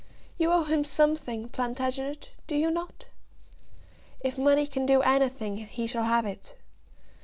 You owe him something, Plantagenet; do you not?" "If money can do anything, he shall have it."